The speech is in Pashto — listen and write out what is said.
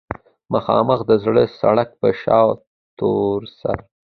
مخامخ د زړې سړک پۀ شا تورسر